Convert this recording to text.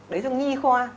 đấy là nghi khoa